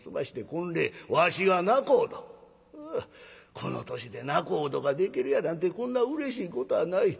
この年で仲人ができるやなんてこんなうれしいことはない。